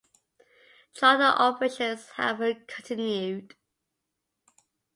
Charter operations however continued.